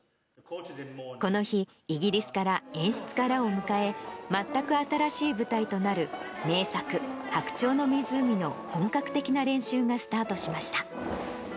この日、イギリスから演出家らを迎え、全く新しい舞台となる名作、白鳥の湖の本格的な練習がスタートしました。